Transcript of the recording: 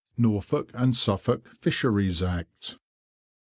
NORFOLK AND SUFFOLK FISHERIES ACT.